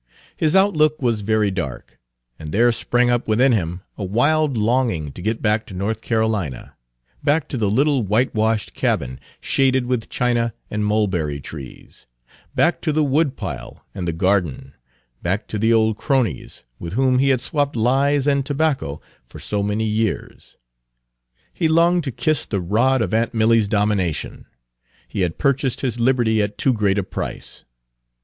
His outlook was very dark, and there sprang up within him a wild longing to get back to North Carolina, back to the little whitewashed cabin, shaded with china and mulberry trees; back to the wood pile Page 261 and the garden; back to the old cronies with whom he had swapped lies and tobacco for so many years. He longed to kiss the rod of aunt Milly's domination. He had purchased his liberty at too great a price.